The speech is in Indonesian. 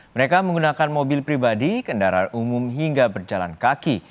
mereka menggunakan mobil pribadi kendaraan umum hingga berjalan kaki